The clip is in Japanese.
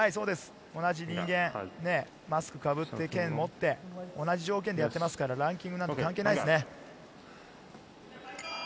同じ人間、マスクかぶって、剣持って、同じ条件でやっていますからランキングなんて関係ないですね。